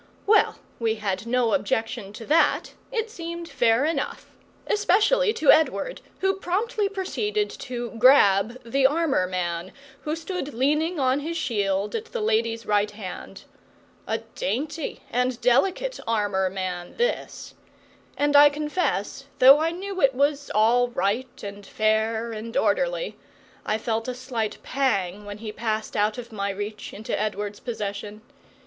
Well, we had no objection to that; it seemed fair enough, especially to Edward, who promptly proceeded to "grab" the armour man who stood leaning on his shield at the lady's right hand. A dainty and delicate armour man this! And I confess, though I knew it was all right and fair and orderly, I felt a slight pang when he passed out of my reach into Edward's possession.